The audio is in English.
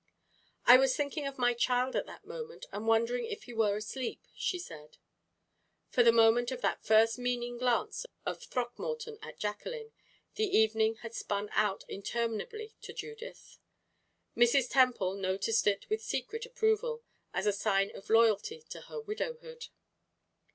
"I was thinking of my child at that moment and wondering if he were asleep," she said. From the moment of that first meaning glance of Throckmorton's at Jacqueline, the evening had spun out interminably to Judith. Mrs. Temple noticed it with secret approval, as a sign of loyalty to her widowhood.